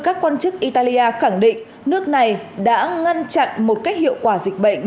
các quan chức italia khẳng định nước này đã ngăn chặn một cách hiệu quả dịch bệnh